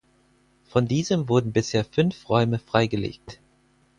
Von diesem wurden bisher fünf Räume freigelegt.